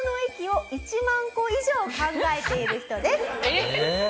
えっ？